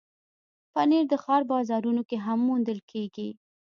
پنېر د ښار بازارونو کې هم موندل کېږي.